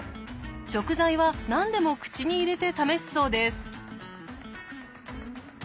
食材は何でも口に入れて試すそうです。